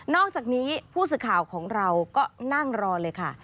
อกจากนี้ผู้สื่อข่าวของเราก็นั่งรอเลยค่ะ